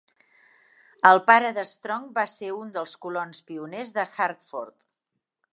El pare d'Strong va ser un dels colons pioners de Hartford.